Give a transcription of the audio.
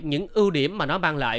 những ưu điểm mà nó ban lại